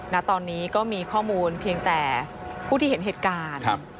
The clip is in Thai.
ณตอนนี้ก็มีข้อมูลเพียงแต่ผู้ที่เห็นเหตุการณ์